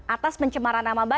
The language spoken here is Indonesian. atas pencemaran akibatnya